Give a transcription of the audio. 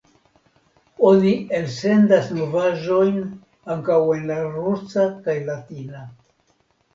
Oni elsendas novaĵojn ankaŭ en rusa kaj latina.